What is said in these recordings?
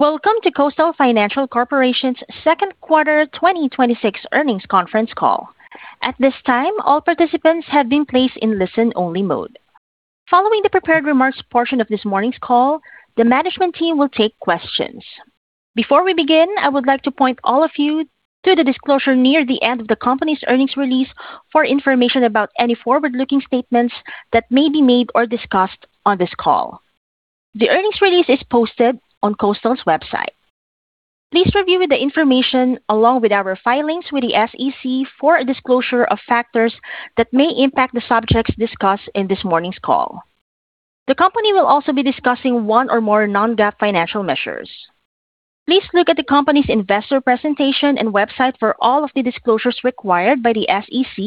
Welcome to Coastal Financial Corporation's second quarter 2026 earnings conference call. At this time, all participants have been placed in listen-only mode. Following the prepared remarks portion of this morning's call, the management team will take questions. Before we begin, I would like to point all of you to the disclosure near the end of the company's earnings release for information about any forward-looking statements that may be made or discussed on this call. The earnings release is posted on Coastal's website. Please review the information along with our filings with the SEC for a disclosure of factors that may impact the subjects discussed in this morning's call. The company will also be discussing one or more non-GAAP financial measures. Please look at the company's investor presentation and website for all of the disclosures required by the SEC,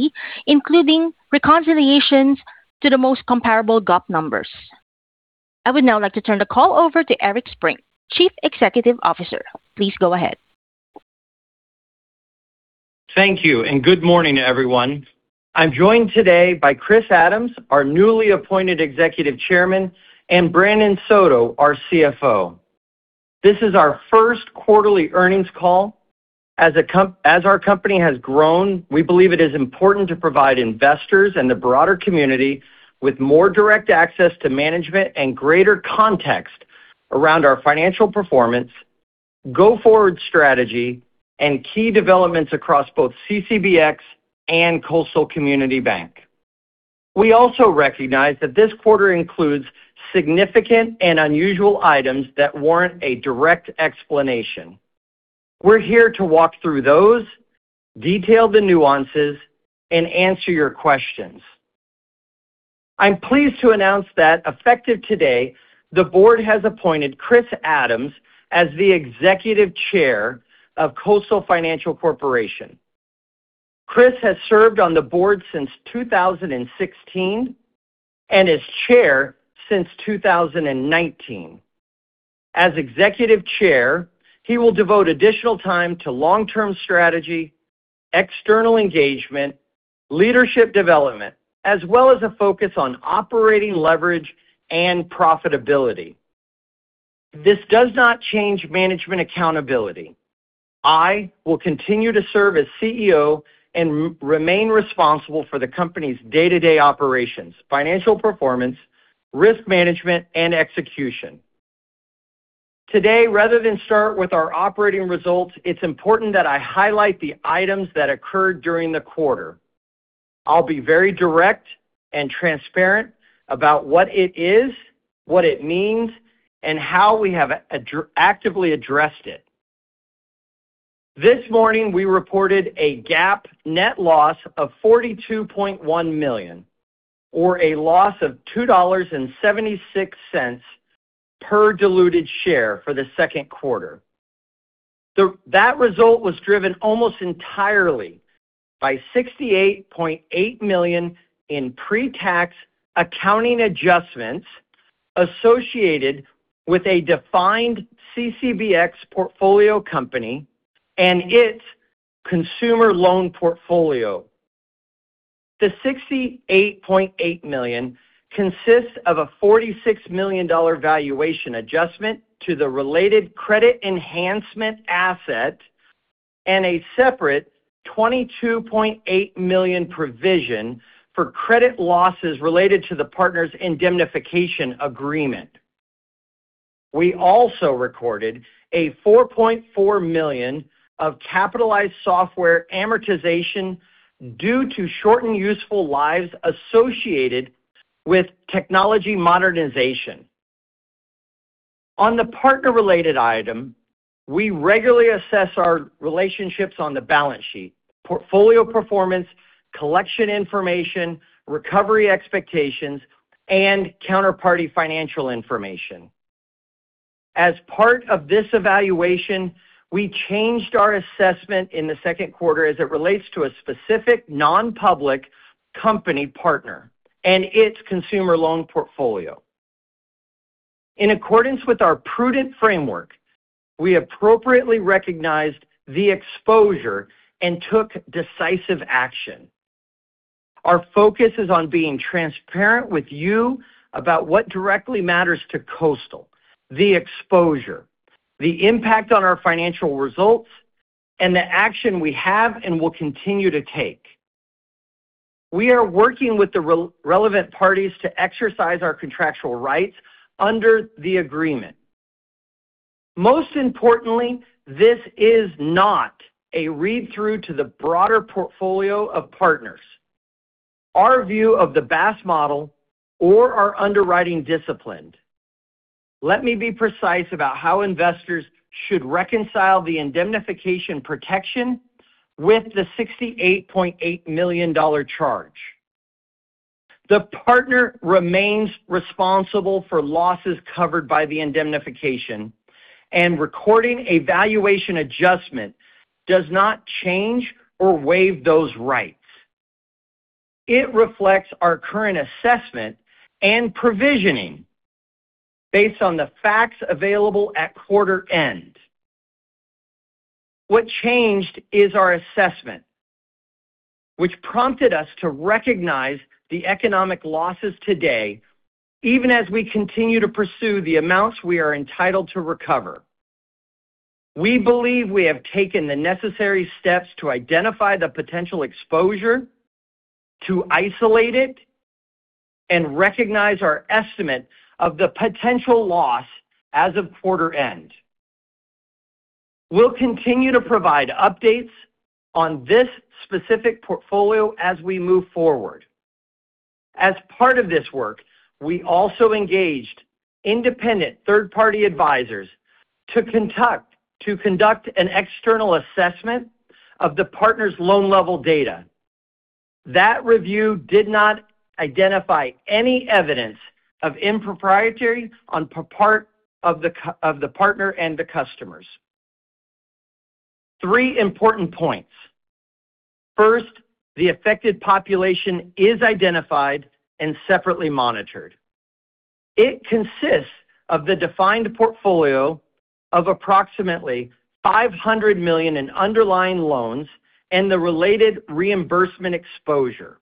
including reconciliations to the most comparable GAAP numbers. I would now like to turn the call over to Eric Sprink, Chief Executive Officer. Please go ahead. Thank you. Good morning, everyone. I'm joined today by Chris Adams, our newly appointed Executive Chairman, and Brandon Soto, our CFO. This is our first quarterly earnings call. As our company has grown, we believe it is important to provide investors and the broader community with more direct access to management and greater context around our financial performance, go-forward strategy, and key developments across both CCBX and Coastal Community Bank. We also recognize that this quarter includes significant and unusual items that warrant a direct explanation. We're here to walk through those, detail the nuances, and answer your questions. I'm pleased to announce that effective today, the board has appointed Chris Adams as the Executive Chair of Coastal Financial Corporation. Chris has served on the board since 2016 and as Chair since 2019. As Executive Chair, he will devote additional time to long-term strategy, external engagement, leadership development, as well as a focus on operating leverage and profitability. This does not change management accountability. I will continue to serve as CEO and remain responsible for the company's day-to-day operations, financial performance, risk management, and execution. Today, rather than start with our operating results, it's important that I highlight the items that occurred during the quarter. I'll be very direct and transparent about what it is, what it means, and how we have actively addressed it. This morning, we reported a GAAP net loss of $42.1 million, or a loss of $2.76 per diluted share for the second quarter. That result was driven almost entirely by $68.8 million in pre-tax accounting adjustments associated with a defined CCBX portfolio company and its consumer loan portfolio. The $68.8 million consists of a $46 million valuation adjustment to the related credit enhancement asset and a separate $22.8 million provision for credit losses related to the partner's indemnification agreement. We also recorded a $4.4 million of capitalized software amortization due to shortened useful lives associated with technology modernization. On the partner-related item, we regularly assess our relationships on the balance sheet, portfolio performance, collection information, recovery expectations, and counterparty financial information. As part of this evaluation, we changed our assessment in the second quarter as it relates to a specific non-public company partner and its consumer loan portfolio. In accordance with our prudent framework, we appropriately recognized the exposure and took decisive action. Our focus is on being transparent with you about what directly matters to Coastal, the exposure, the impact on our financial results, and the action we have and will continue to take. We are working with the relevant parties to exercise our contractual rights under the agreement. Most importantly, this is not a read-through to the broader portfolio of partners, our view of the BaaS model, or our underwriting discipline. Let me be precise about how investors should reconcile the indemnification protection with the $68.8 million charge. The partner remains responsible for losses covered by the indemnification, and recording a valuation adjustment does not change or waive those rights. It reflects our current assessment and provisioning based on the facts available at quarter end. What changed is our assessment, which prompted us to recognize the economic losses today, even as we continue to pursue the amounts we are entitled to recover. We believe we have taken the necessary steps to identify the potential exposure, to isolate it, and recognize our estimate of the potential loss as of quarter end. We'll continue to provide updates on this specific portfolio as we move forward. As part of this work, we also engaged independent third-party advisors to conduct an external assessment of the partner's loan-level data. That review did not identify any evidence of impropriety on part of the partner and the customers. Three important points. First, the affected population is identified and separately monitored. It consists of the defined portfolio of approximately $500 million in underlying loans and the related reimbursement exposure.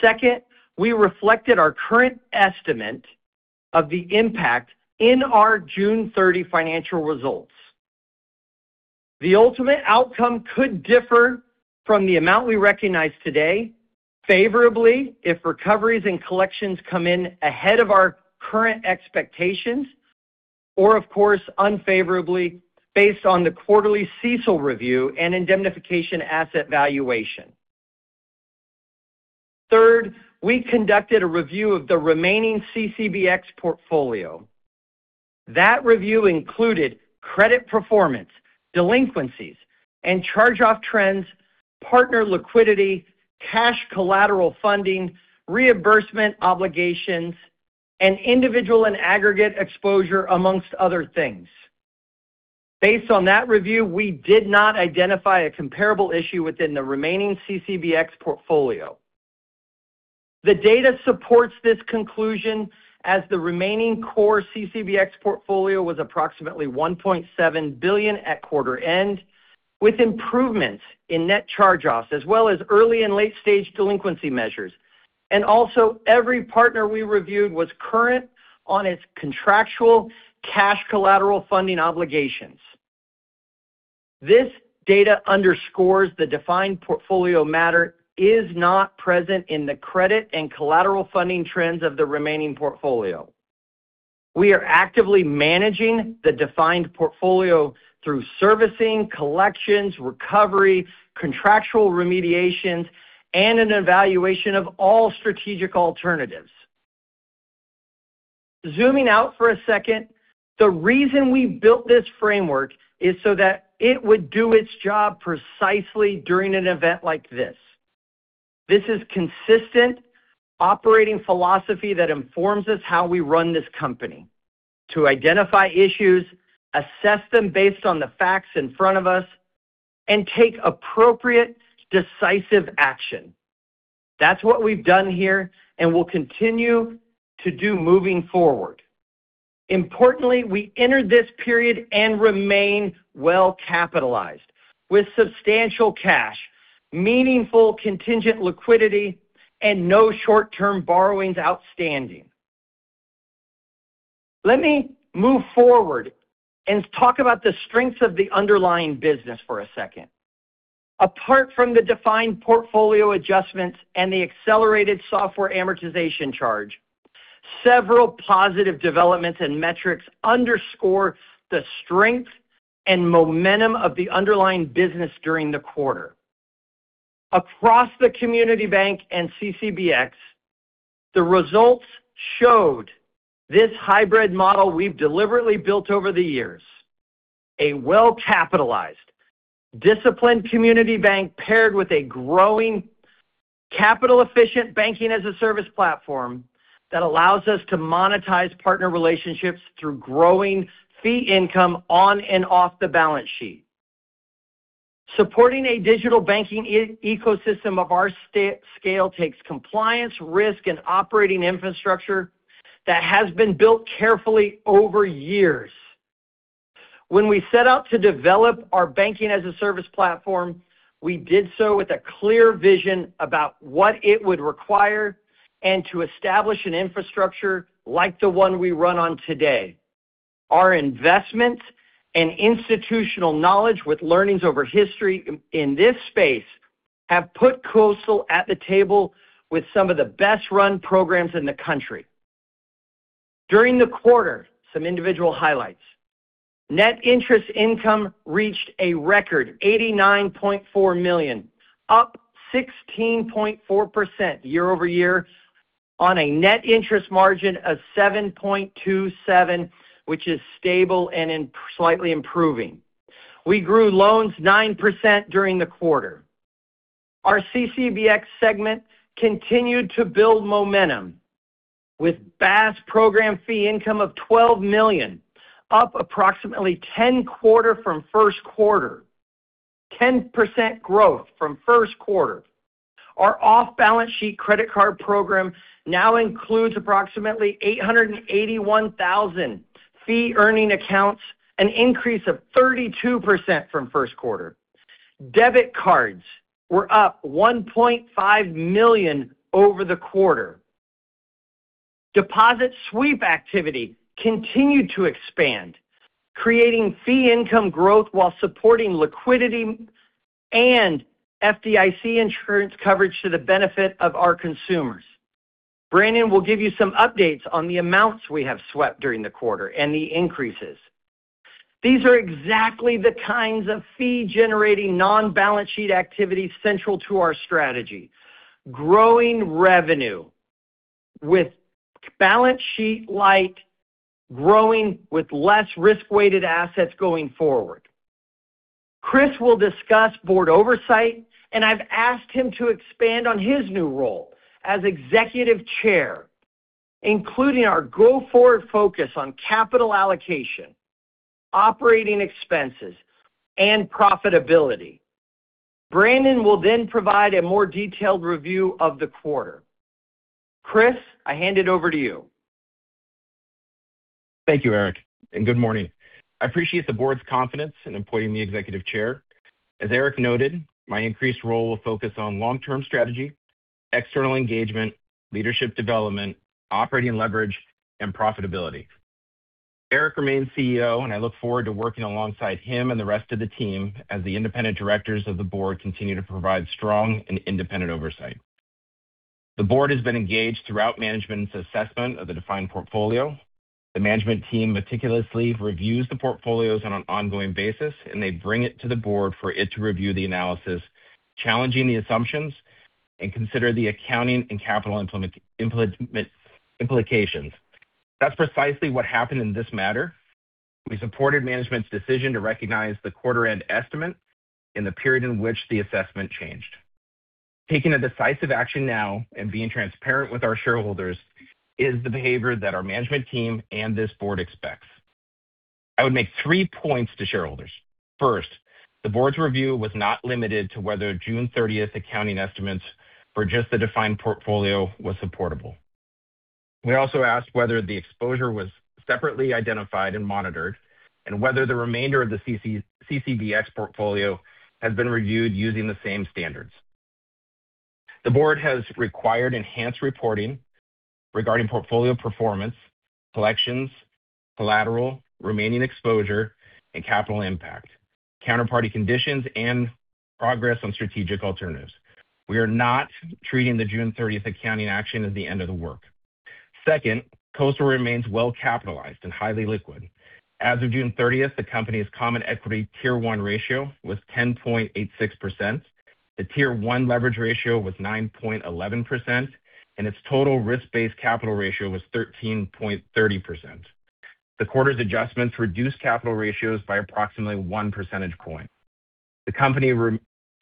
Second, we reflected our current estimate of the impact in our June 30 financial results. The ultimate outcome could differ from the amount we recognize today favorably if recoveries and collections come in ahead of our current expectations or of course, unfavorably based on the quarterly CECL review and indemnification asset valuation. Third, we conducted a review of the remaining CCBX portfolio. That review included credit performance, delinquencies, and charge-off trends, partner liquidity, cash collateral funding, reimbursement obligations, and individual and aggregate exposure, amongst other things. Based on that review, we did not identify a comparable issue within the remaining CCBX portfolio. The data supports this conclusion as the remaining core CCBX portfolio was approximately $1.7 billion at quarter end, with improvements in net charge-offs as well as early and late-stage delinquency measures. Also, every partner we reviewed was current on its contractual cash collateral funding obligations. This data underscores the defined portfolio matter is not present in the credit and collateral funding trends of the remaining portfolio. We are actively managing the defined portfolio through servicing, collections, recovery, contractual remediations, and an evaluation of all strategic alternatives. Zooming out for a second, the reason we built this framework is so that it would do its job precisely during an event like this. This is consistent operating philosophy that informs us how we run this company to identify issues, assess them based on the facts in front of us, and take appropriate, decisive action. That's what we've done here, and we'll continue to do moving forward. Importantly, we entered this period and remain well-capitalized with substantial cash, meaningful contingent liquidity, and no short-term borrowings outstanding. Let me move forward and talk about the strengths of the underlying business for a second. Apart from the defined portfolio adjustments and the accelerated software amortization charge, several positive developments and metrics underscore the strength and momentum of the underlying business during the quarter. Across the Community Bank and CCBX, the results showed this hybrid model we've deliberately built over the years. A well-capitalized, disciplined community bank paired with a growing capital-efficient Banking-as-a-Service platform that allows us to monetize partner relationships through growing fee income on and off the balance sheet. Supporting a digital banking ecosystem of our scale takes compliance, risk, and operating infrastructure that has been built carefully over years. When we set out to develop our Banking-as-a-Service platform, we did so with a clear vision about what it would require and to establish an infrastructure like the one we run on today. Our investments and institutional knowledge with learnings over history in this space have put Coastal at the table with some of the best-run programs in the country. During the quarter, some individual highlights. Net interest income reached a record $89.4 million, up 16.4% year-over-year on a net interest margin of 7.27, which is stable and slightly improving. We grew loans 9% during the quarter. Our CCBX segment continued to build momentum with BaaS program fee income of $12 million, up approximately ten quarter from first quarter. 10% growth from first quarter. Our off-balance sheet credit card program now includes approximately 881,000 fee-earning accounts, an increase of 32% from first quarter. Debit cards were up $1.5 million over the quarter. Deposit sweep activity continued to expand, creating fee income growth while supporting liquidity and FDIC insurance coverage to the benefit of our consumers. Brandon will give you some updates on the amounts we have swept during the quarter and the increases. These are exactly the kinds of fee-generating, non-balance sheet activities central to our strategy. Growing revenue with balance sheet light, growing with less Risk-weighted assets going forward. Chris will discuss board oversight, and I've asked him to expand on his new role as Executive Chair, including our go-forward focus on capital allocation, operating expenses, and profitability. Brandon will provide a more detailed review of the quarter. Chris, I hand it over to you. Thank you, Eric, and good morning. I appreciate the Board's confidence in appointing me Executive Chair. As Eric noted, my increased role will focus on long-term strategy, external engagement, leadership development, operating leverage, and profitability. Eric remains CEO, and I look forward to working alongside him and the rest of the team, as the independent directors of the Board continue to provide strong and independent oversight. The Board has been engaged throughout management's assessment of the defined portfolio. The management team meticulously reviews the portfolios on an ongoing basis, and they bring it to the Board for it to review the analysis, challenging the assumptions, and consider the accounting and capital implications. That is precisely what happened in this matter. We supported management's decision to recognize the quarter-end estimate in the period in which the assessment changed. Taking a decisive action now and being transparent with our shareholders is the behavior that our management team and this Board expects. I would make three points to shareholders. First, the Board's review was not limited to whether June 30th accounting estimates for just the defined portfolio was supportable. We also asked whether the exposure was separately identified and monitored, and whether the remainder of the CCBX portfolio has been reviewed using the same standards. The Board has required enhanced reporting regarding portfolio performance, collections, collateral, remaining exposure, and capital impact, counterparty conditions, and progress on strategic alternatives. We are not treating the June 30th accounting action as the end of the work. Second, Coastal remains well-capitalized and highly liquid. As of June 30th, the company's Common Equity Tier 1 ratio was 10.86%, the Tier 1 leverage ratio was 9.11%, and its Total risk-based capital ratio was 13.30%. The quarter's adjustments reduced capital ratios by approximately 1 percentage point. The company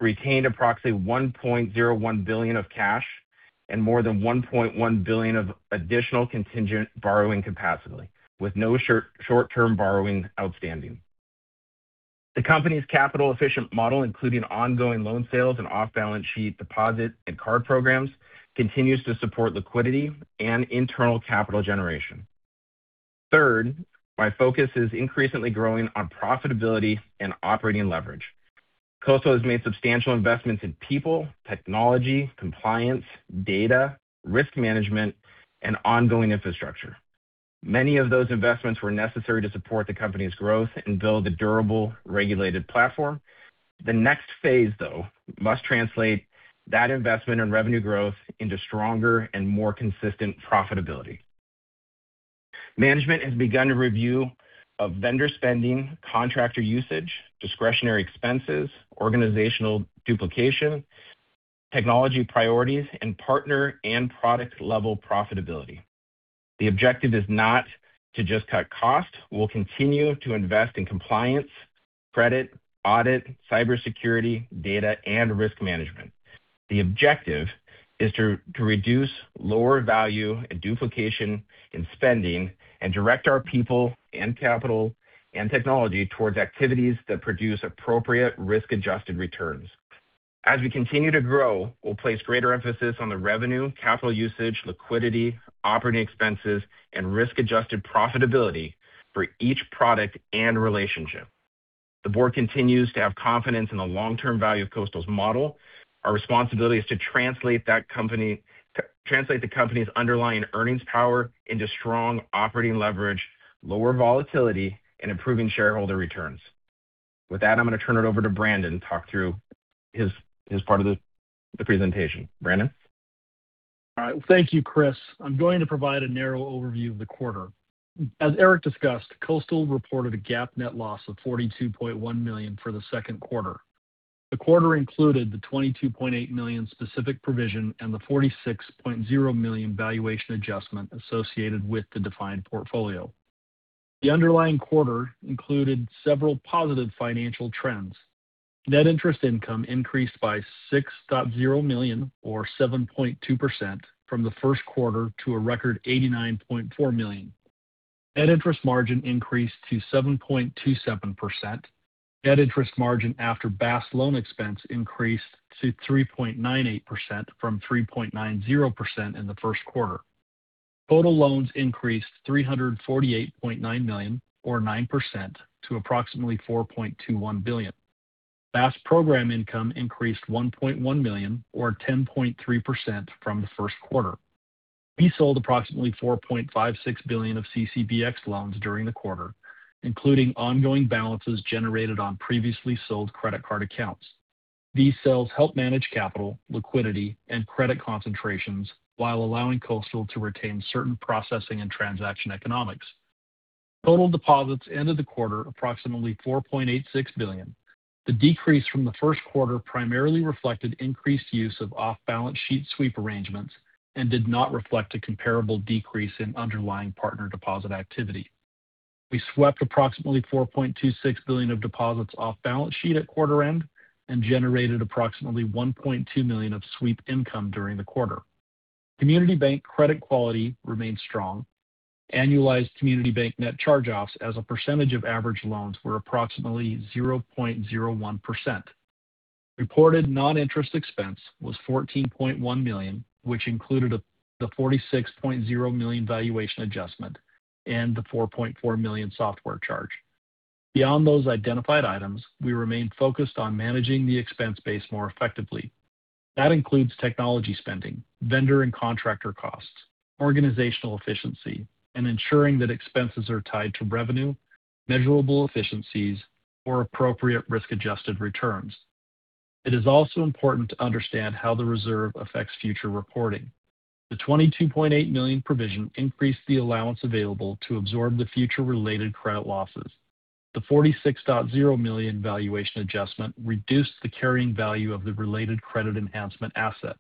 retained approximately $1.01 billion of cash and more than $1.1 billion of additional contingent borrowing capacity, with no short-term borrowing outstanding. The company's capital-efficient model, including ongoing loan sales and off-balance sheet deposit and card programs, continues to support liquidity and internal capital generation. Third, my focus is increasingly growing on profitability and operating leverage. Coastal has made substantial investments in people, technology, compliance, data, risk management, and ongoing infrastructure. Many of those investments were necessary to support the company's growth and build a durable, regulated platform. The next phase, though, must translate that investment and revenue growth into stronger and more consistent profitability. Management has begun a review of vendor spending, contractor usage, discretionary expenses, organizational duplication, technology priorities, and partner and product-level profitability. The objective is not to just cut costs. We will continue to invest in compliance, credit, audit, cybersecurity, data, and risk management. The objective is to reduce lower value and duplication in spending and direct our people and capital and technology towards activities that produce appropriate risk-adjusted returns. As we continue to grow, we will place greater emphasis on the revenue, capital usage, liquidity, operating expenses, and risk-adjusted profitability for each product and relationship. The Board continues to have confidence in the long-term value of Coastal's model. Our responsibility is to translate the company's underlying earnings power into strong operating leverage, lower volatility, and improving shareholder returns. With that, I am going to turn it over to Brandon to talk through his part of the presentation. Brandon? All right. Thank you, Chris. I'm going to provide a narrow overview of the quarter. As Eric discussed, Coastal reported a GAAP net loss of $42.1 million for the second quarter. The quarter included the $22.8 million specific provision and the $46.0 million valuation adjustment associated with the defined portfolio. The underlying quarter included several positive financial trends. Net interest income increased by $6.0 million, or 7.2%, from the first quarter to a record $89.4 million. Net interest margin increased to 7.27%. Net interest margin after BaaS loan expense increased to 3.98% from 3.90% in the first quarter. Total loans increased $348.9 million or 9% to approximately $4.21 billion. BaaS program income increased $1.1 million or 10.3% from the first quarter. We sold approximately $4.56 billion of CCBX loans during the quarter, including ongoing balances generated on previously sold credit card accounts. These sales help manage capital, liquidity, and credit concentrations while allowing Coastal to retain certain processing and transaction economics. Total deposits ended the quarter approximately $4.86 billion. The decrease from the first quarter primarily reflected increased use of off-balance sheet sweep arrangements and did not reflect a comparable decrease in underlying partner deposit activity. We swept approximately $4.26 billion of deposits off balance sheet at quarter end and generated approximately $1.2 million of sweep income during the quarter. Community Bank credit quality remained strong. Annualized Community Bank net charge-offs as a percentage of average loans were approximately 0.01%. Reported non-interest expense was $14.1 million, which included the $46.0 million valuation adjustment and the $4.4 million software charge. Beyond those identified items, we remain focused on managing the expense base more effectively. That includes technology spending, vendor and contractor costs, organizational efficiency, and ensuring that expenses are tied to revenue, measurable efficiencies, or appropriate risk-adjusted returns. It is also important to understand how the reserve affects future reporting. The $22.8 million provision increased the allowance available to absorb the future related credit losses. The $46.0 million valuation adjustment reduced the carrying value of the related credit enhancement asset.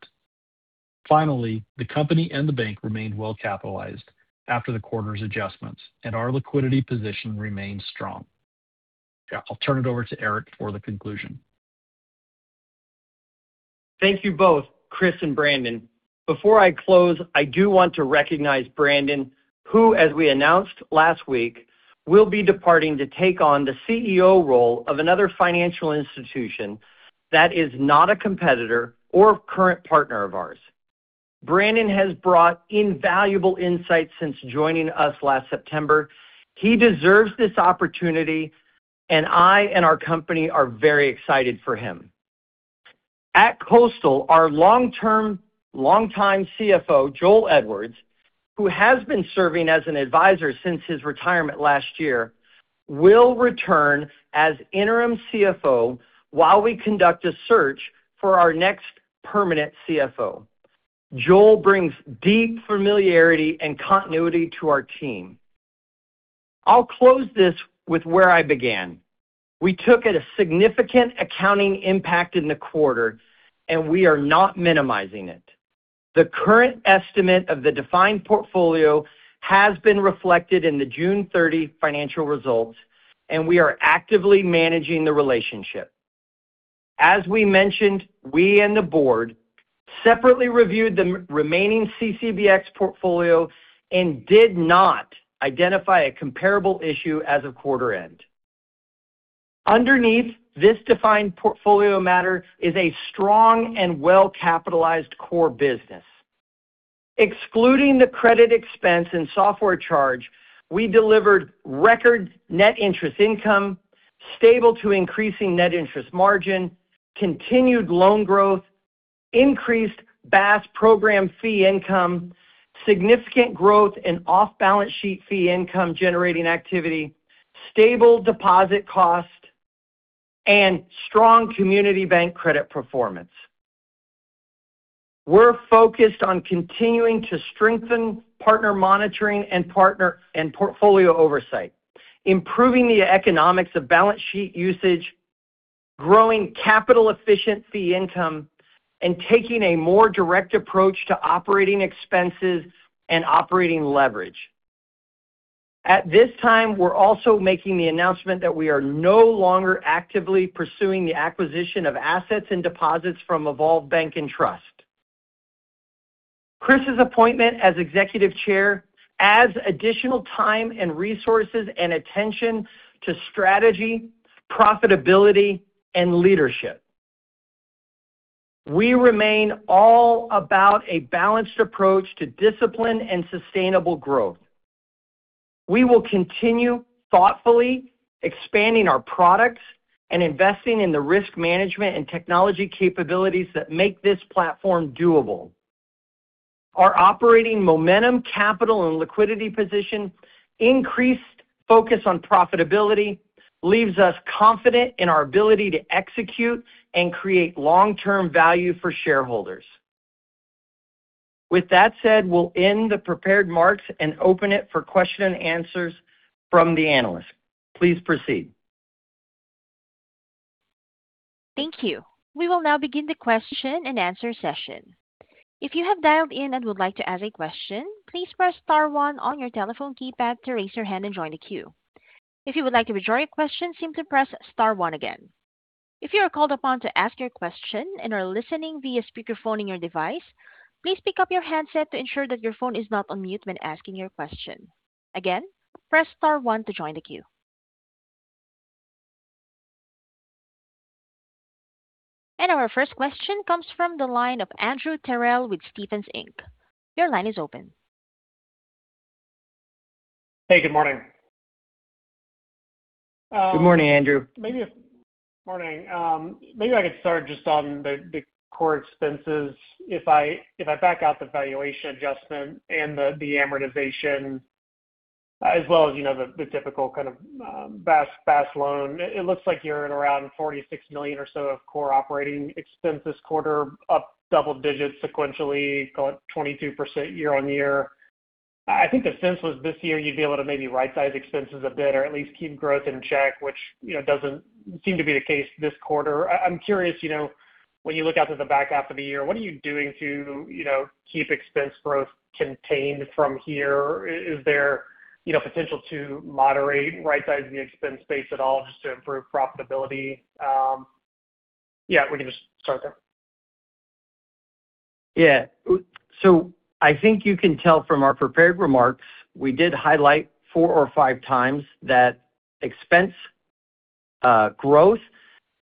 Finally, the company and the bank remained well-capitalized after the quarter's adjustments, and our liquidity position remains strong. I'll turn it over to Eric for the conclusion. Thank you both, Chris and Brandon. Before I close, I do want to recognize Brandon, who, as we announced last week, will be departing to take on the CEO role of another financial institution that is not a competitor or current partner of ours. Brandon has brought invaluable insights since joining us last September. He deserves this opportunity, and I and our company are very excited for him. At Coastal, our longtime CFO, Joel Edwards, who has been serving as an advisor since his retirement last year, will return as interim CFO while we conduct a search for our next permanent CFO. Joel brings deep familiarity and continuity to our team. I'll close this with where I began. We took a significant accounting impact in the quarter, and we are not minimizing it. The current estimate of the defined portfolio has been reflected in the June 30 financial results, and we are actively managing the relationship. As we mentioned, we and the board separately reviewed the remaining CCBX portfolio and did not identify a comparable issue as of quarter end. Underneath this defined portfolio matter is a strong and well-capitalized core business. Excluding the credit expense and software charge, we delivered record Net interest income, stable to increasing net interest margin, continued loan growth, increased BaaS program fee income, significant growth in off-balance sheet fee income-generating activity, stable deposit cost, and strong Community Bank credit performance. We're focused on continuing to strengthen partner monitoring and portfolio oversight, improving the economics of balance sheet usage, growing capital-efficient fee income, and taking a more direct approach to operating expenses and operating leverage. At this time, we're also making the announcement that we are no longer actively pursuing the acquisition of assets and deposits from Evolve Bank & Trust. Chris's appointment as Executive Chairman adds additional time and resources and attention to strategy, profitability, and leadership. We remain all about a balanced approach to discipline and sustainable growth. We will continue thoughtfully expanding our products and investing in the risk management and technology capabilities that make this platform doable. Our operating momentum, capital, and liquidity position, increased focus on profitability leaves us confident in our ability to execute and create long-term value for shareholders. With that said, we'll end the prepared remarks and open it for question and answers from the analysts. Please proceed. Thank you. We will now begin the question-and-answer session. If you have dialed in and would like to ask a question, please press star one on your telephone keypad to raise your hand and join the queue. If you would like to withdraw your question, simply press star one again. If you are called upon to ask your question and are listening via speakerphone in your device, please pick up your handset to ensure that your phone is not on mute when asking your question. Again, press star one to join the queue. Our first question comes from the line of Andrew Terrell with Stephens Inc. Your line is open. Hey, good morning. Good morning, Andrew. Morning. Maybe I could start just on the core expenses. If I back out the valuation adjustment and the amortization as well as the typical kind of BaaS loan, it looks like you're in around $46 million or so of core operating expense this quarter, up double digits sequentially, call it 22% year-on-year. I think the sense was this year you'd be able to maybe right-size expenses a bit or at least keep growth in check, which doesn't seem to be the case this quarter. I'm curious, when you look out to the back half of the year, what are you doing to keep expense growth contained from here? Is there potential to moderate, right-size the expense base at all just to improve profitability? Yeah, we can just start there. Yeah. I think you can tell from our prepared remarks, we did highlight four or five times that expense growth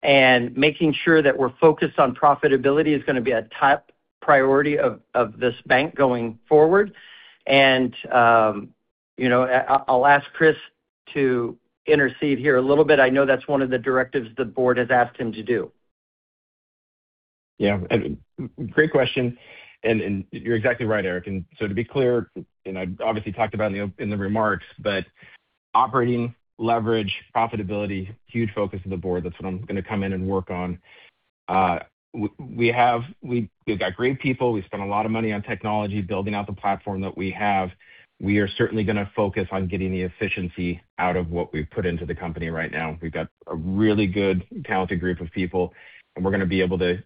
and making sure that we're focused on profitability is going to be a top priority of this bank going forward. I'll ask Chris to intercede here a little bit. I know that's one of the directives the board has asked him to do. Yeah. Great question, you're exactly right, Eric. To be clear, and I obviously talked about it in the remarks, but operating leverage profitability, huge focus of the board. That's what I'm going to come in and work on. We've got great people. We spent a lot of money on technology, building out the platform that we have. We are certainly going to focus on getting the efficiency out of what we've put into the company right now. We've got a really good talented group of people, and we're going to be able to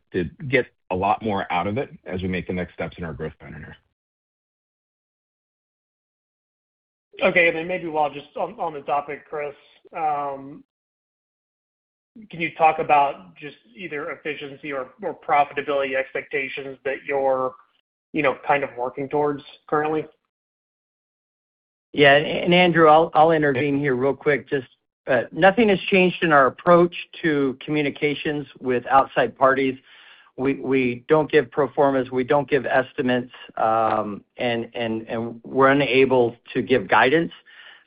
get a lot more out of it as we make the next steps in our growth journey. Okay. Maybe while just on the topic, Chris, can you talk about just either efficiency or profitability expectations that you're kind of working towards currently? Yeah. Andrew, I'll intervene here real quick. Just nothing has changed in our approach to communications with outside parties. We don't give pro formas, we don't give estimates. We're unable to give guidance.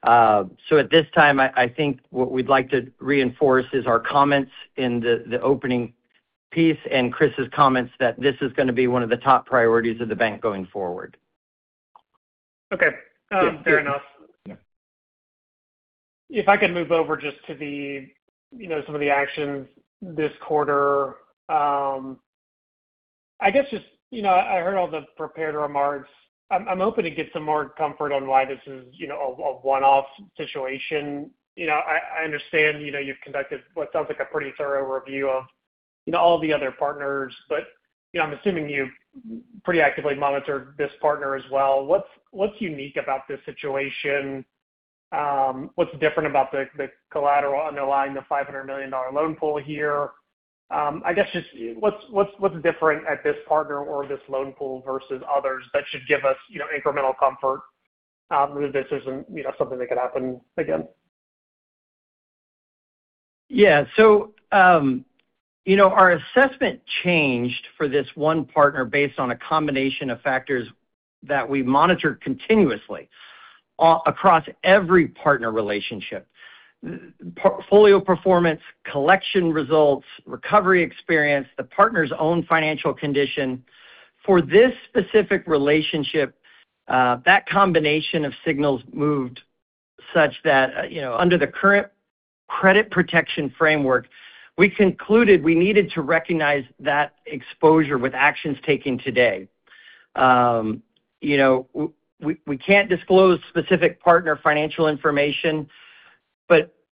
At this time, I think what we'd like to reinforce is our comments in the opening piece and Chris's comments that this is going to be one of the top priorities of the bank going forward. Okay. Yeah. Fair enough. Yeah. If I could move over just to some of the actions this quarter. I guess just I heard all the prepared remarks. I'm hoping to get some more comfort on why this is a one-off situation. I understand you've conducted what sounds like a pretty thorough review of all the other partners, I'm assuming you pretty actively monitor this partner as well. What's unique about this situation? What's different about the collateral underlying the $500 million loan pool here? I guess just what's different at this partner or this loan pool versus others that should give us incremental comfort that this isn't something that could happen again? Our assessment changed for this one partner based on a combination of factors that we monitor continuously across every partner relationship. Portfolio performance, collection results, recovery experience, the partner's own financial condition. For this specific relationship, that combination of signals moved such that under the current credit protection framework, we concluded we needed to recognize that exposure with actions taken today. We can't disclose specific partner financial information.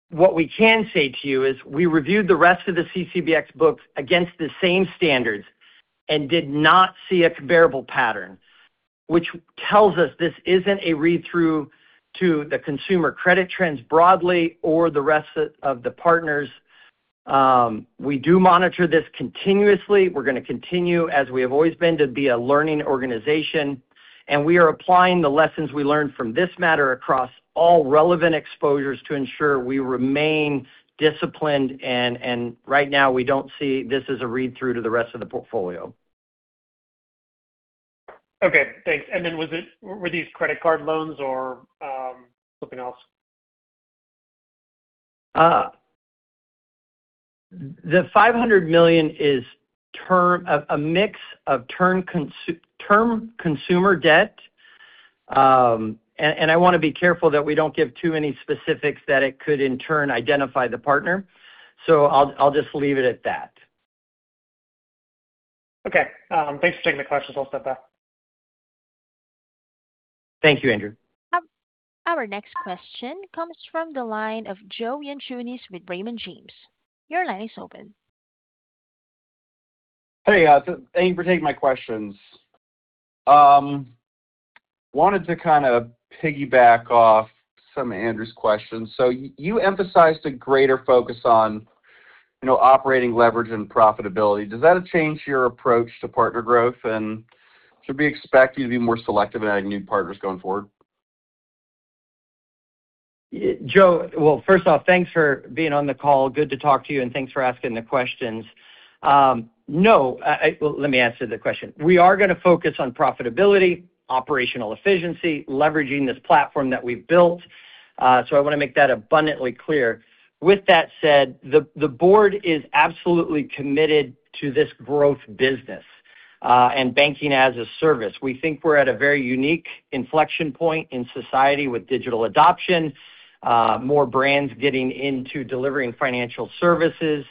What we can say to you is we reviewed the rest of the CCBX books against the same standards and did not see a comparable pattern, which tells us this isn't a read-through to the consumer credit trends broadly or the rest of the partners. We do monitor this continuously. We're going to continue, as we have always been, to be a learning organization. We are applying the lessons we learned from this matter across all relevant exposures to ensure we remain disciplined. Right now, we don't see this as a read-through to the rest of the portfolio. Okay, thanks. Were these credit card loans or something else? The $500 million is a mix of term consumer debt. I want to be careful that we don't give too many specifics that it could in turn identify the partner. I'll just leave it at that. Okay. Thanks for taking the questions. I'll step back. Thank you, Andrew. Our next question comes from the line of Joe Yankunis with Raymond James. Your line is open. Hey, thank you for taking my questions. Wanted to kind of piggyback off some of Andrew's questions. You emphasized a greater focus on operating leverage and profitability. Does that change your approach to partner growth? Should we expect you to be more selective in adding new partners going forward? Joe, first off, thanks for being on the call. Good to talk to you, and thanks for asking the questions. Let me answer the question. We are going to focus on profitability, operational efficiency, leveraging this platform that we've built. I want to make that abundantly clear. With that said, the board is absolutely committed to this growth business, and Banking-as-a-Service. We think we're at a very unique inflection point in society with digital adoption, more brands getting into delivering financial services.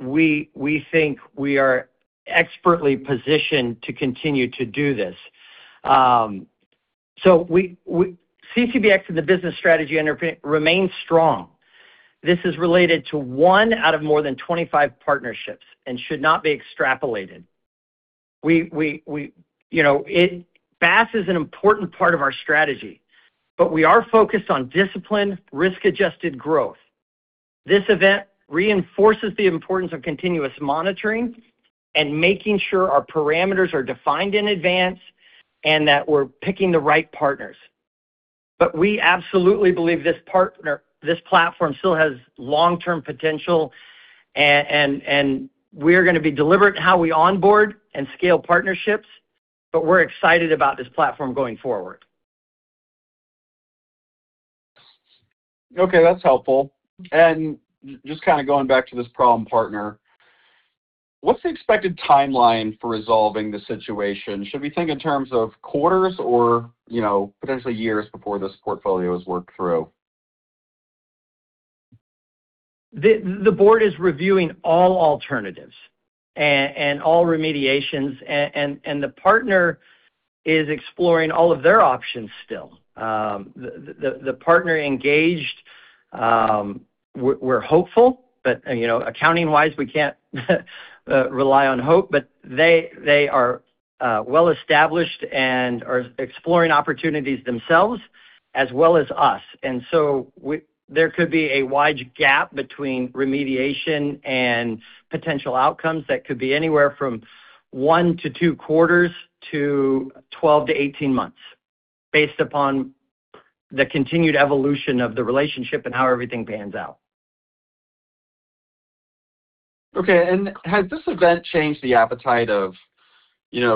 We think we are expertly positioned to continue to do this. CCBX and the business strategy remain strong. This is related to one out of more than 25 partnerships and should not be extrapolated. BaaS is an important part of our strategy. We are focused on disciplined risk-adjusted growth. This event reinforces the importance of continuous monitoring and making sure our parameters are defined in advance and that we're picking the right partners. But we absolutely believe this platform still has long-term potential, and we're going to be deliberate in how we onboard and scale partnerships, but we're excited about this platform going forward. Okay, that's helpful. And just kind of going back to this problem partner, what's the expected timeline for resolving the situation? Should we think in terms of quarters or potentially years before this portfolio is worked through? The board is reviewing all alternatives and all remediations, and the partner is exploring all of their options still. The partner engaged. We're hopeful, but accounting-wise, we can't rely on hope. They are well-established and are exploring opportunities themselves as well as us. There could be a wide gap between remediation and potential outcomes that could be anywhere from one to two quarters to 12-18 months, based upon the continued evolution of the relationship and how everything pans out. Okay. Has this event changed the appetite of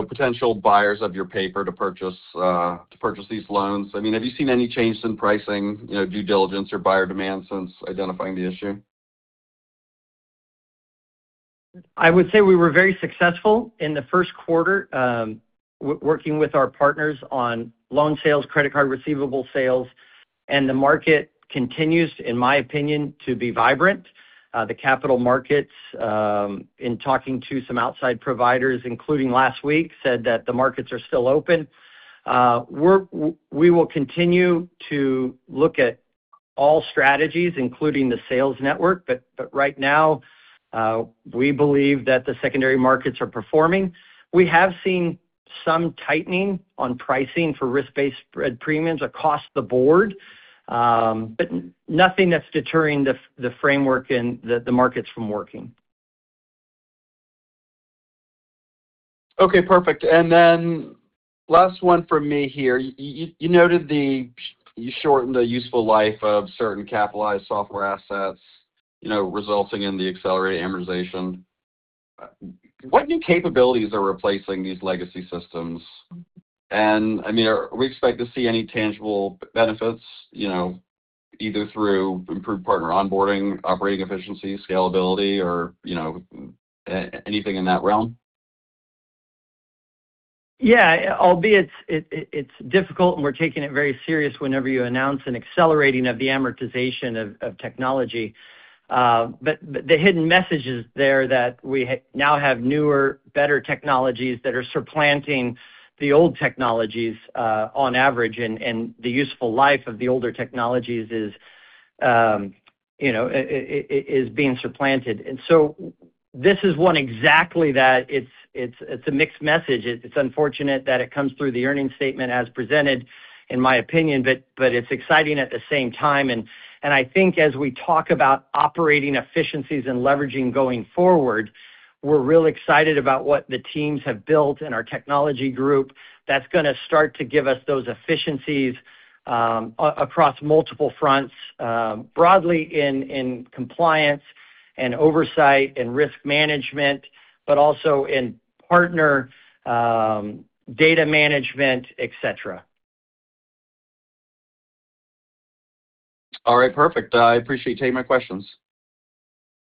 potential buyers of your paper to purchase these loans? Have you seen any changes in pricing, due diligence or buyer demand since identifying the issue? I would say we were very successful in the first quarter working with our partners on loan sales, credit card receivable sales. The market continues, in my opinion, to be vibrant. The capital markets, in talking to some outside providers, including last week, said that the markets are still open. We will continue to look at all strategies, including the sales network. Right now, we believe that the secondary markets are performing. We have seen some tightening on pricing for risk-based spread premiums across the board. Nothing that's deterring the framework and the markets from working. Okay, perfect. Last one from me here. You noted you shortened the useful life of certain capitalized software assets resulting in the accelerated amortization. What new capabilities are replacing these legacy systems? Are we expected to see any tangible benefits, either through improved partner onboarding, operating efficiency, scalability, or anything in that realm? Albeit it's difficult and we're taking it very serious whenever you announce an accelerating of the amortization of technology. The hidden message is there that we now have newer, better technologies that are supplanting the old technologies on average, and the useful life of the older technologies is being supplanted. This is one exactly that it's a mixed message. It's unfortunate that it comes through the earnings statement as presented, in my opinion, but it's exciting at the same time. I think as we talk about operating efficiencies and leveraging going forward, we're real excited about what the teams have built in our technology group that's going to start to give us those efficiencies across multiple fronts, broadly in compliance and oversight and risk management, but also in partner data management, et cetera. All right, perfect. I appreciate you taking my questions.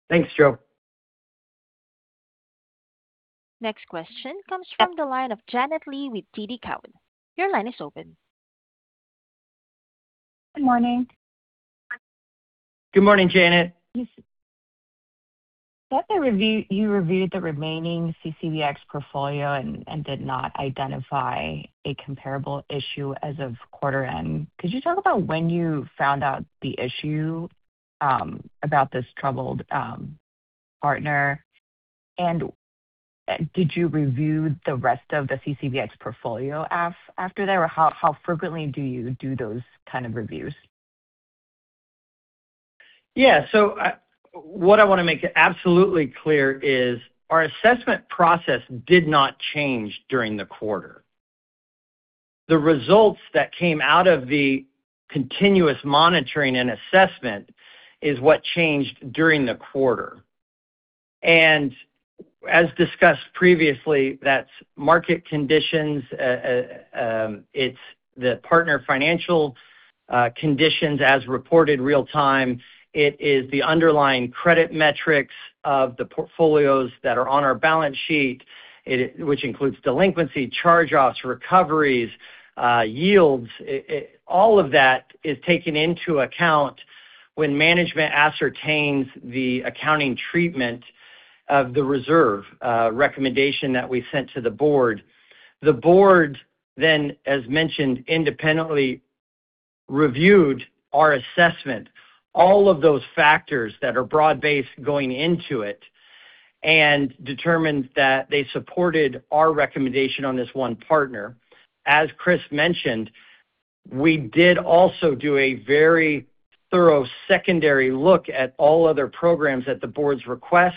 Thanks, Joe. Next question comes from the line of Janet Lee with TD Cowen. Your line is open. Good morning. Good morning, Janet. You said that you reviewed the remaining CCBX portfolio and did not identify a comparable issue as of quarter end. Could you talk about when you found out the issue? About this troubled partner. Did you review the rest of the CCBX portfolio after that? How frequently do you do those kind of reviews? What I want to make absolutely clear is our assessment process did not change during the quarter. The results that came out of the continuous monitoring and assessment is what changed during the quarter. As discussed previously, that's market conditions, it's the partner financial conditions as reported real time. It is the underlying credit metrics of the portfolios that are on our balance sheet, which includes delinquency, charge-offs, recoveries, yields. All of that is taken into account when management ascertains the accounting treatment of the reserve recommendation that we sent to the Board. The Board then, as mentioned, independently reviewed our assessment, all of those factors that are broad-based going into it, and determined that they supported our recommendation on this one partner. As Chris mentioned, we did also do a very thorough secondary look at all other programs at the Board's request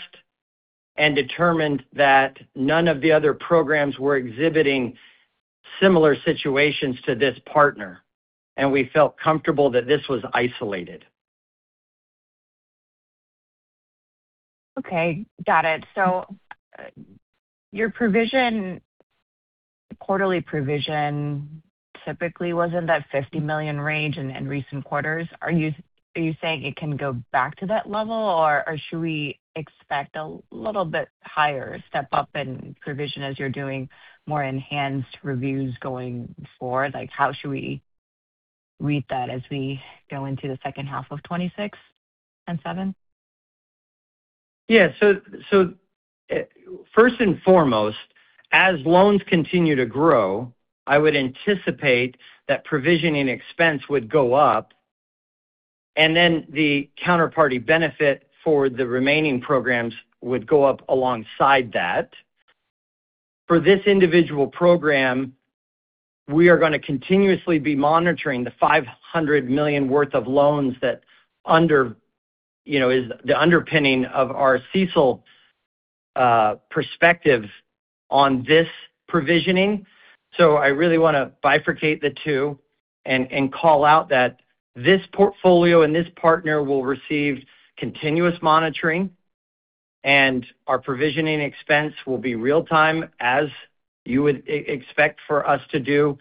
and determined that none of the other programs were exhibiting similar situations to this partner, we felt comfortable that this was isolated. Okay, got it. Your quarterly provision typically was in that $50 million range in recent quarters. Are you saying it can go back to that level, or should we expect a little bit higher step up in provision as you're doing more enhanced reviews going forward? How should we read that as we go into the second half of 2026 and 2027? Yeah. First and foremost, as loans continue to grow, I would anticipate that provisioning expense would go up, and then the counterparty benefit for the remaining programs would go up alongside that. For this individual program, we are going to continuously be monitoring the $500 million worth of loans that is the underpinning of our CECL perspective on this provisioning. I really want to bifurcate the two and call out that this portfolio and this partner will receive continuous monitoring, and our provisioning expense will be real time as you would expect for us to do.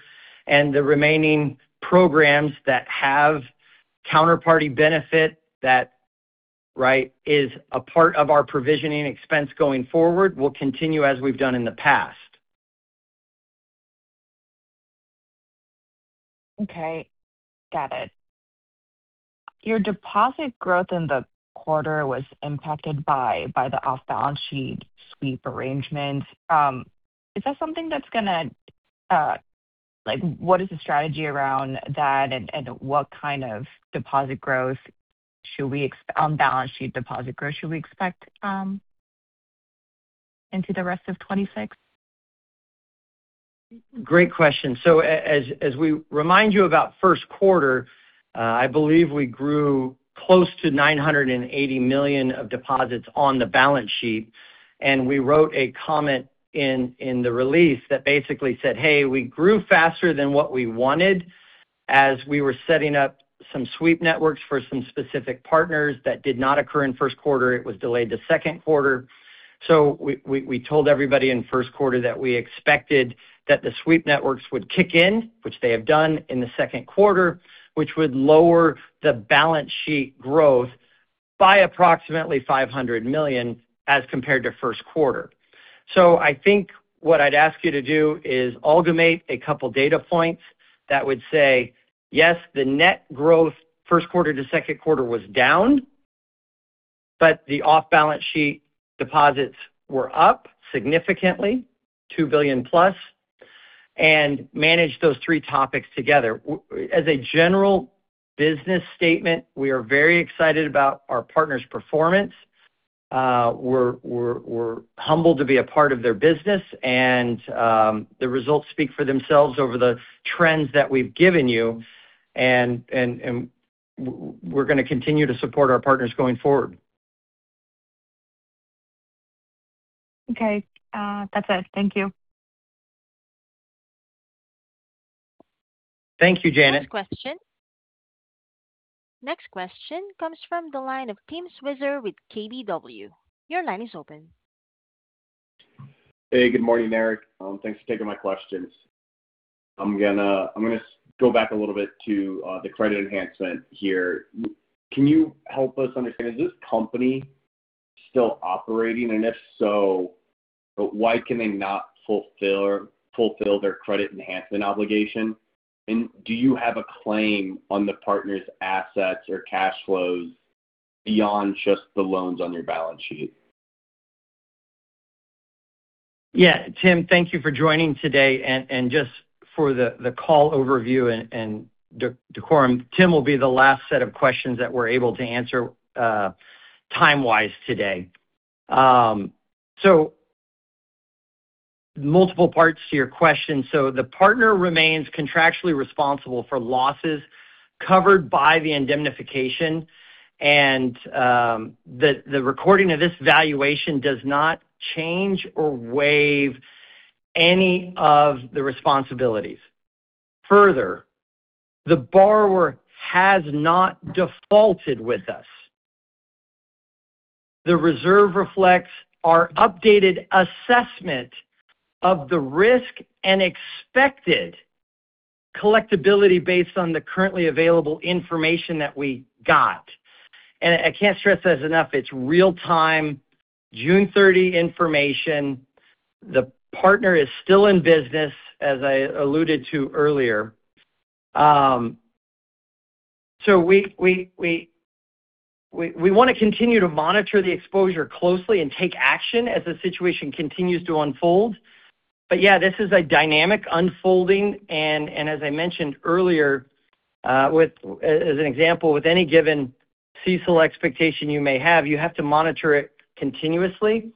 The remaining programs that have counterparty benefit that is a part of our provisioning expense going forward will continue as we've done in the past. Okay, got it. Your deposit growth in the quarter was impacted by the off-balance sheet sweep arrangement. What is the strategy around that, and what kind of on-balance sheet deposit growth should we expect into the rest of 2026? Great question. As we remind you about first quarter, I believe we grew close to $980 million of deposits on the balance sheet, and we wrote a comment in the release that basically said, "Hey, we grew faster than what we wanted as we were setting up some sweep networks for some specific partners that did not occur in first quarter. It was delayed to second quarter." We told everybody in first quarter that we expected that the sweep networks would kick in, which they have done in the second quarter, which would lower the balance sheet growth by approximately $500 million as compared to first quarter. I think what I'd ask you to do is amalgamate a couple data points that would say, yes, the net growth first quarter to second quarter was down, but the off-balance sheet deposits were up significantly, $2 billion+, and manage those three topics together. As a general business statement, we are very excited about our partner's performance. We're humbled to be a part of their business, and the results speak for themselves over the trends that we've given you, and we're going to continue to support our partners going forward. Okay. That's it. Thank you. Thank you, Janet. Next question. Next question comes from the line of Tim Switzer with KBW. Your line is open. Hey, good morning, Eric. Thanks for taking my questions. I'm going to go back a little bit to the credit enhancement here. Can you help us understand, is this company still operating? If so, why can they not fulfill their credit enhancement obligation? Do you have a claim on the partner's assets or cash flows beyond just the loans on your balance sheet? Yeah. Tim, thank you for joining today. Just for the call overview and decorum, Tim will be the last set of questions that we're able to answer time-wise today. Multiple parts to your question. The partner remains contractually responsible for losses covered by the indemnification, and the recording of this valuation does not change or waive any of the responsibilities. Further, the borrower has not defaulted with us. The reserve reflects our updated assessment of the risk and expected collectibility based on the currently available information that we got. I can't stress this enough; it's real-time June 30 information. The partner is still in business, as I alluded to earlier. We want to continue to monitor the exposure closely and take action as the situation continues to unfold. Yeah, this is a dynamic unfolding and, as I mentioned earlier, as an example, with any given CECL expectation you may have, you have to monitor it continuously.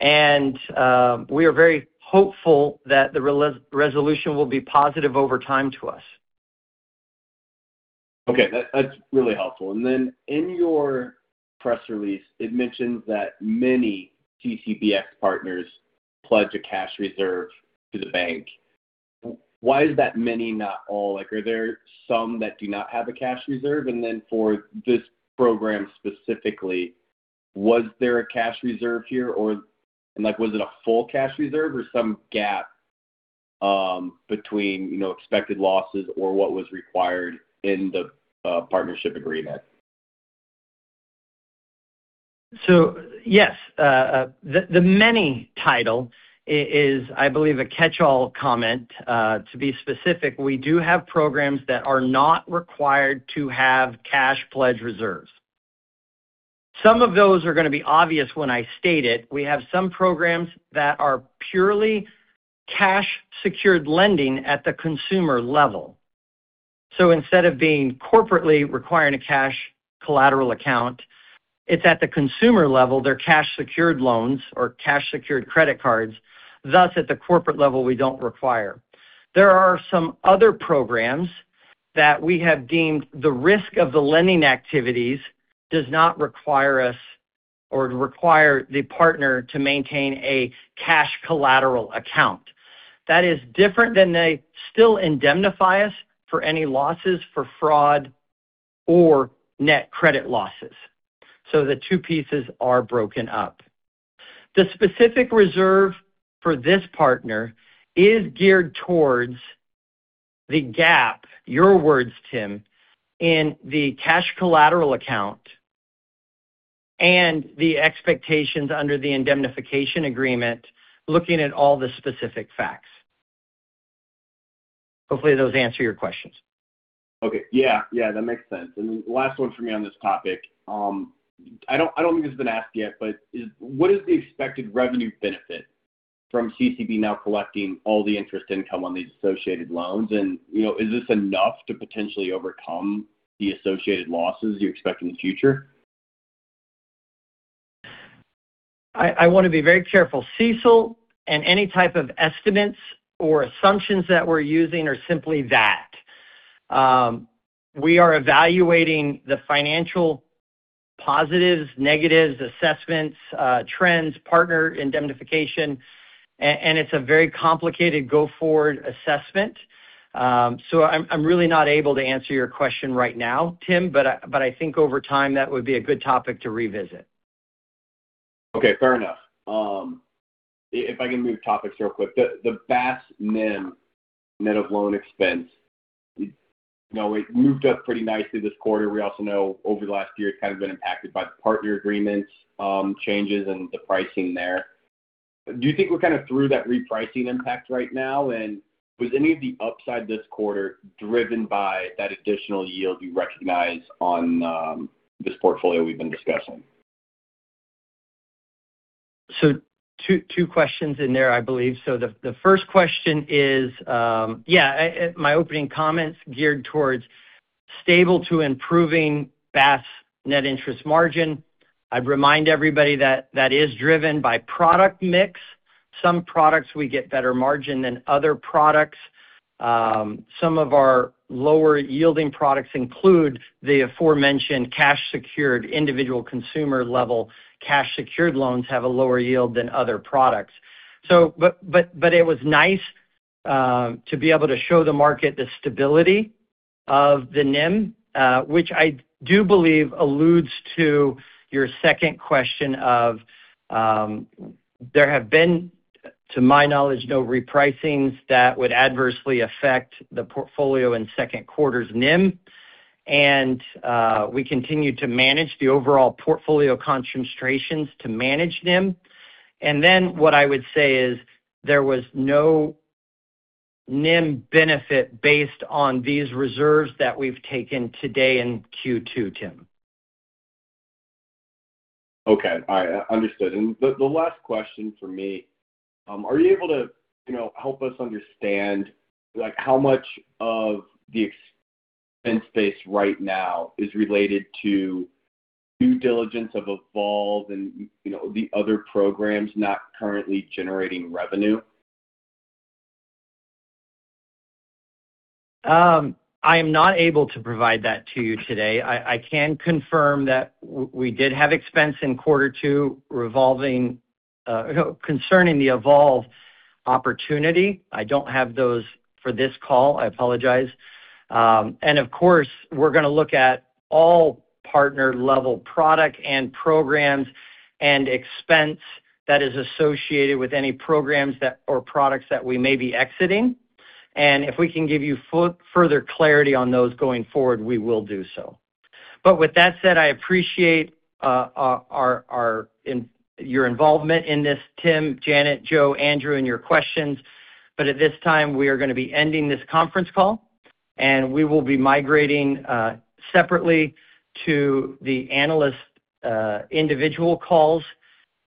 We are very hopeful that the resolution will be positive over time to us. Okay. That's really helpful. In your press release, it mentions that many CCBX partners pledge a cash reserve to the bank. Why is that many, not all? Are there some that do not have a cash reserve? For this program specifically, was there a cash reserve here, and was it a full cash reserve or some gap between expected losses or what was required in the partnership agreement? Yes, the indemnity title is, I believe, a catch-all comment. To be specific, we do have programs that are not required to have cash pledge reserves. Some of those are going to be obvious when I state it. We have some programs that are purely cash-secured lending at the consumer level. Instead of being corporately requiring a cash collateral account, it's at the consumer level. They're cash-secured loans or cash-secured credit cards. Thus, at the corporate level, we don't require. There are some other programs that we have deemed the risk of the lending activities does not require us or require the partner to maintain a cash collateral account. That is different than they still indemnify us for any losses for fraud or net credit losses. The two pieces are broken up. The specific reserve for this partner is geared towards the gap, your words, Tim, in the cash collateral account and the expectations under the indemnification agreement, looking at all the specific facts. Hopefully those answer your questions. Okay. Yeah. That makes sense. And then last one for me on this topic. I don't think it's been asked yet, but what is the expected revenue benefit from CCBX now collecting all the interest income on these associated loans? And is this enough to potentially overcome the associated losses you expect in the future? I want to be very careful. CECL and any type of estimates or assumptions that we're using are simply that. We are evaluating the financial positives, negatives, assessments, trends, partner indemnification, it's a very complicated go-forward assessment. I'm really not able to answer your question right now, Tim, I think over time that would be a good topic to revisit. Okay, fair enough. If I can move topics real quick. The BaaS NIM, net of loan expense, we know it moved up pretty nicely this quarter. We also know over the last year it's kind of been impacted by the partner agreements changes and the pricing there. Do you think we're kind of through that repricing impact right now? Was any of the upside this quarter driven by that additional yield you recognize on this portfolio we've been discussing? Two questions in there, I believe. The first question is, yeah, my opening comments geared towards stable to improving BaaS net interest margin. I'd remind everybody that that is driven by product mix. Some products we get better margin than other products. Some of our lower-yielding products include the aforementioned cash-secured individual consumer-level cash-secured loans have a lower yield than other products. It was nice to be able to show the market the stability of the NIM which I do believe alludes to your second question of there have been, to my knowledge, no repricings that would adversely affect the portfolio in second quarter's NIM. We continue to manage the overall portfolio concentrations to manage NIM. What I would say is there was no NIM benefit based on these reserves that we've taken today in Q2, Tim. Okay. All right. Understood. The last question from me, are you able to help us understand how much of the expense base right now is related to due diligence of Evolve and the other programs not currently generating revenue? I am not able to provide that to you today. I can confirm that we did have expense in quarter two concerning the Evolve opportunity. I don't have those for this call. I apologize. Of course, we're going to look at all partner-level product and programs and expense that is associated with any programs or products that we may be exiting. If we can give you further clarity on those going forward, we will do so. With that said, I appreciate your involvement in this, Tim, Janet, Joe, Andrew, and your questions. At this time, we are going to be ending this conference call and we will be migrating separately to the analyst individual calls.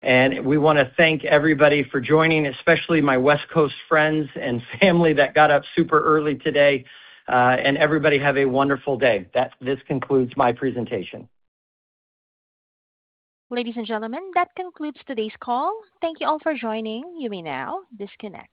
We want to thank everybody for joining, especially my West Coast friends and family that got up super early today. Everybody have a wonderful day. This concludes my presentation. Ladies and gentlemen, that concludes today's call. Thank you all for joining. You may now disconnect.